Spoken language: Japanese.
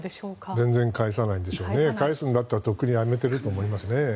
全然介さないでしょうね。介すんだったらとっくにやめていると思います。